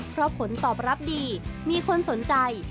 เพราะผลตอบรับดีมีคนสนใจ